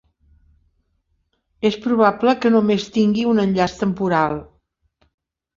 És probable que només tingui un enllaç temporal.